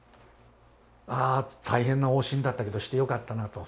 ああ大変な往診だったけどしてよかったなと。